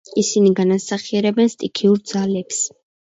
ისინი განასახიერებდნენ სტიქიურ ძალებს.